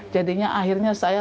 jadinya akhirnya saya